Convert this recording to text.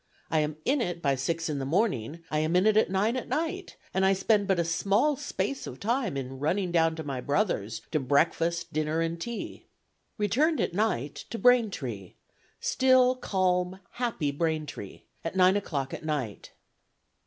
I am in it by six in the morning, I am in it at nine at night, and I spend but a small space of time in running down to my brother's to breakfast, dinner and tea." "Returned at night ... to Braintree, still, calm, happy Braintree at nine o'clock at night."